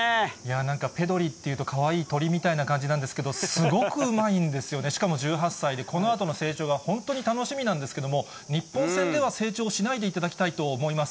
なんか、ペドリっていうとかわいい鳥みたいな感じなんですけど、すごくうまいんですよね、しかも１８歳で、このあとの成長が本当に楽しみなんですけれども、日本戦では成長しないでいただきたいと思います。